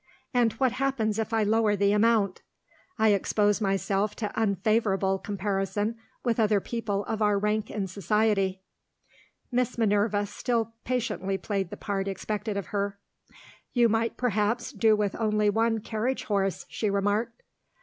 And what happens if I lower the amount? I expose myself to unfavourable comparison with other people of our rank in society." Miss Minerva still patiently played the part expected of her. "You might perhaps do with only one carriage horse," she remarked.